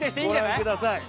ご覧ください。